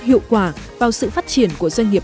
hiệu quả vào sự phát triển của doanh nghiệp